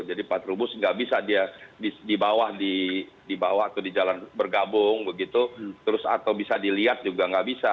pak trubus nggak bisa dia di bawah atau di jalan bergabung begitu terus atau bisa dilihat juga nggak bisa